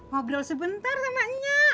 ngobrol sebentar sama nyak